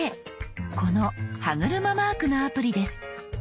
この歯車マークのアプリです。